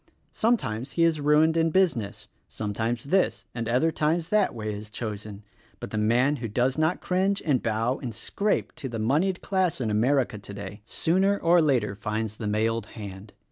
Sometimes he is "ruined in business, sometimes this and other times that wav is chosen; but the man who does not cringe and bow and scrape to the monied class in America today, sooner or later feels the 94 THE RECORDING ANGEL mailed hand.